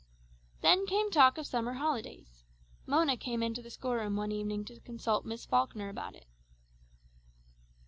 Then came talk of summer holidays. Mona came into the school room one evening to consult with Miss Falkner about it.